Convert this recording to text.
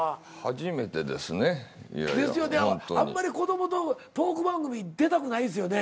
あんまり子供とトーク番組出たくないですよね。